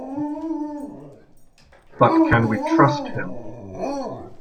But can we trust him?